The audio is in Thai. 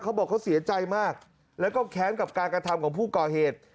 เขาบอกเขาเสียใจมากแล้วก็แค้นกับการกระทำของผู้ก่อเหตุ